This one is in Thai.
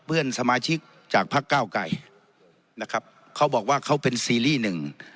เพื่อนสมาชิกจากพักเก้าไกรนะครับเขาบอกว่าเขาเป็นซีรีส์หนึ่ง